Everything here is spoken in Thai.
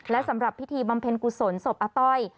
และสำหรับพิธีบำเพ็ญกุศลศพอาต้อย